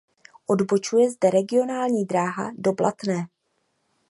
Odbočuje zde regionální dráha do Blatné.